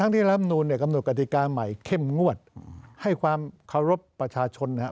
ที่รำนูนเนี่ยกำหนดกฎิกาใหม่เข้มงวดให้ความเคารพประชาชนนะครับ